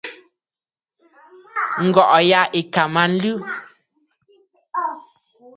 Ǹgɔ̀ʼɔ̀ ya ɨ̀ kà mə aa nlɨ.